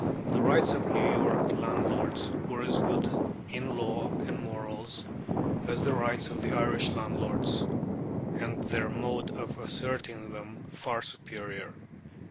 The rights of the New York landlords were as good in law and morals as the rights of the Irish landlords, and their mode of asserting them far superior.